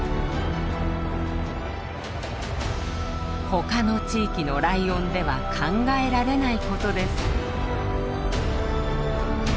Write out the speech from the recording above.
他の地域のライオンでは考えられないことです。